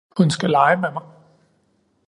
Hun skal lege med mig